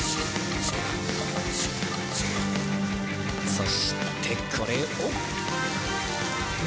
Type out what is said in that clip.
そしてこれを。